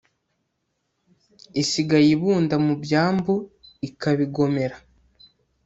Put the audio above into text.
Isigaye ibunda mu byambu ikabigomera